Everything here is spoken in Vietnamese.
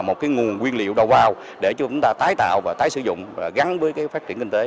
một cái nguồn nguyên liệu đào vào để chúng ta tái tạo và tái sử dụng gắn với cái phát triển kinh tế